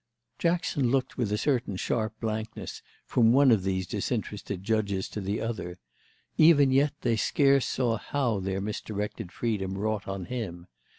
Jackson looked with a certain sharp blankness from one of these disinterested judges to the other; even yet they scarce saw how their misdirected freedom wrought on him.